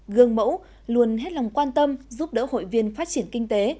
gương mẫu luôn hết lòng quan tâm giúp đỡ hội viên phát triển kinh tế